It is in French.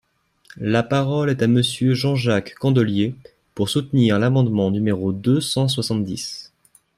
La parole est à Monsieur Jean-Jacques Candelier, pour soutenir l’amendement numéro deux cent soixante-dix.